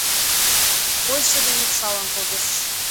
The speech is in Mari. Почшо ден лупшалын кодыш